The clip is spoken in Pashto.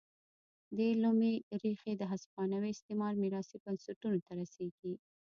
دې لومې ریښې د هسپانوي استعمار میراثي بنسټونو ته رسېږي.